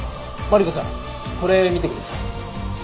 マリコさんこれ見てください。